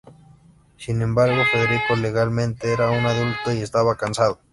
Sin embargo, Federico legalmente era un adulto y estaba casado.